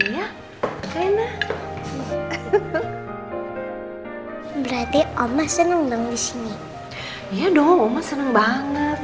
ya dong oma seneng banget aika dia maaru water tuju